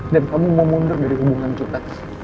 dan kamu mau mundur dari hubungan kita